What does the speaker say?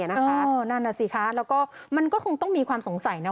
นั่นน่ะสิคะแล้วก็มันก็คงต้องมีความสงสัยนะ